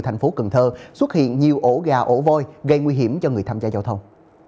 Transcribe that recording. thành phố cần thơ xuất hiện nhiều ổ gà ổ voi gây nguy hiểm cho người tham gia giao thông